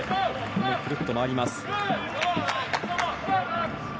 くるっと回ります。